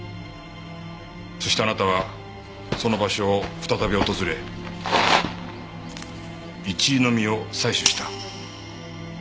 そしてあなたはその場所を再び訪れイチイの実を採取した。